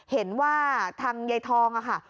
เห็นว่าทางยายทองค่ะ